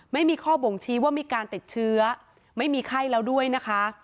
ไม่มีข้อบ่งชี้ว่ามีการติดเชื้อไม่มีไข้แล้วด้วยนะคะ